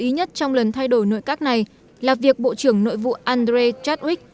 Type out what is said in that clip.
ý nhất trong lần thay đổi nội các này là việc bộ trưởng nội vụ andré chadwick